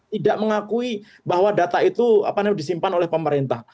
tidak mengakui bahwa data itu disimpan oleh pemerintah